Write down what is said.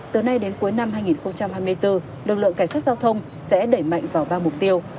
từ nay đến cuối năm hai nghìn hai mươi bốn lực lượng cảnh sát giao thông sẽ đẩy mạnh vào ba mục tiêu